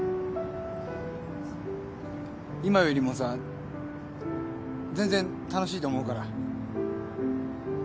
今よりもさ、全然楽しいと思うから。